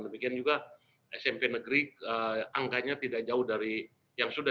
demikian juga smp negeri angkanya tidak jauh dari yang sudah